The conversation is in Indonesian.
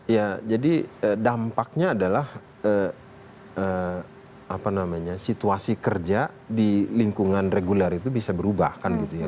ya jadi dampaknya adalah situasi kerja di lingkungan reguler itu bisa berubah kan gitu ya